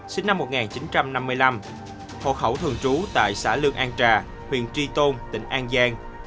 sinh năm một nghìn chín trăm năm mươi năm hộ khẩu thường trú tại xã lương an trà huyện tri tôn tỉnh an giang